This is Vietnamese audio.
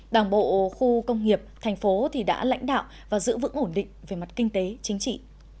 đảng bộ khu công nghiệp thành phố đã lãnh đạo và giữ vững ổn định về mặt kinh tế chính trị